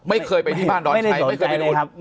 ไม่เคยไปที่บ้านดอนชัยไม่เคยไปดู